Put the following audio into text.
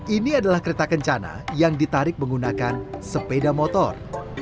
ini adalah kereta kencana yang ditarik menggunakan sepeda motor